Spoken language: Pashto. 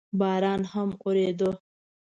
باران هم اورېده.